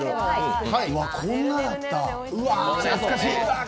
こんなだった？